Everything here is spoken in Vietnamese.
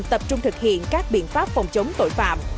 tập trung thực hiện các biện pháp phòng chống tội phạm